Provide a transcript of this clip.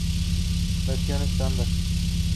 Versión Estándar